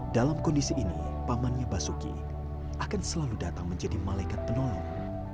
dalam kondisi ini pamannya basuki akan selalu datang menjadi malaikat penolong